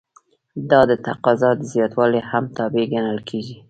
دا د تقاضا د زیاتوالي هم تابع ګڼل کیږي.